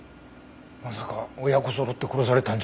まさか親子そろって殺されたんじゃ。